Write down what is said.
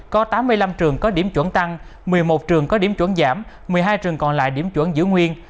có tám mươi năm trường có điểm chuẩn tăng một mươi một trường có điểm chuẩn giảm một mươi hai trường còn lại điểm chuẩn giữ nguyên